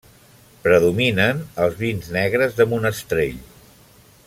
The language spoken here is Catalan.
Predominen els vins negres de monestrell.